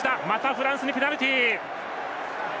フランスにペナルティー。